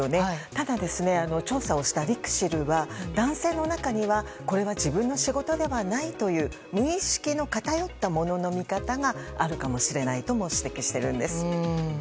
ただ、調査をしたリクシルは男性の中にはこれは自分の仕事ではないという無意識の偏ったものの見方があるかもしれないとも指摘しているんです。